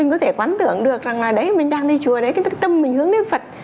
có thể quán tưởng được rằng là đấy mình đang đi chùa đấy cái tâm mình hướng đến phật